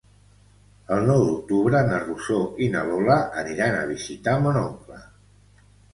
El nou d'octubre na Rosó i na Lola aniran a visitar mon oncle.